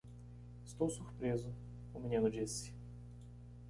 "Estou surpreso?" o menino disse.